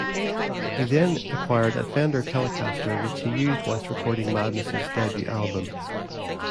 He then acquired a Fender Telecaster which he used whilst recording Madness' debut album.